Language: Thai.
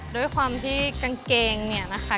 ด้วยความที่กางเกงเนี่ยนะคะ